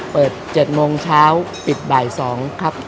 เปิด๗โมงเช้าปิดบ่าย๒ครับ